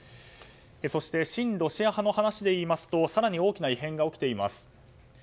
そして、親ロシア派の話でいいますと更に大きな異変が起きています。